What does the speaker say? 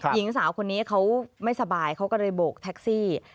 หญิงสาวคนนี้เขาไม่สบายเขาก็เลยโบกแท็กซี่